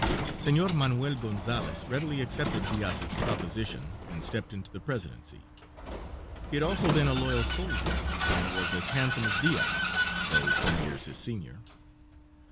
Senor Manuel Gonzales readily accepted Diaz's proposition and stepped into the presidency. He had also been a loyal soldier, and was as handsome as Diaz, though some years his senior.